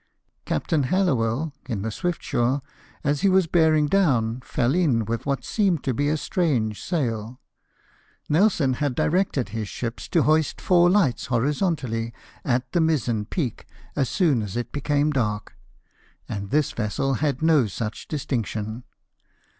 Captain Hallowell, in the Siviftsure, as 142 LIFE OF NELSON. he was bearing down, fell in with what seemed to be a strange sail ; Nelson had directed his ships to hoist four lights horizontally at the mizen peak as soon as it became dark, and this vessel had no such distinction.